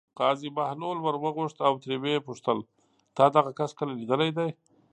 قاضي بهلول ور وغوښت او ترې ویې پوښتل: تا دغه کس کله لیدلی دی.